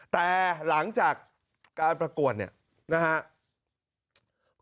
แต่หลังจากการประกวดเนี่ยนะครับ